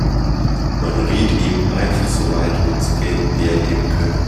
Man riet ihm, einfach so weit mitzugehen, wie er eben könne.